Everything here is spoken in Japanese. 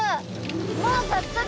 もう早速！